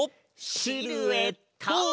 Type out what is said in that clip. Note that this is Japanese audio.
シルエット！